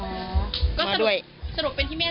ปลาส้มกลับมาถึงบ้านโอ้โหดีใจมาก